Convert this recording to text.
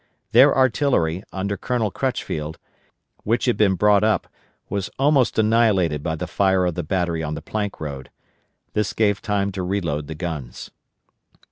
Their artillery, under Colonel Crutchfield, which had been brought up, was almost annihilated by the fire of the battery on the Plank Road. This gave time to reload the guns.